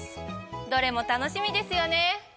どれも楽しみですよね。